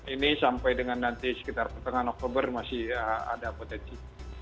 ini sampai dengan nanti sekitar pertengahan oktober masih ada potensi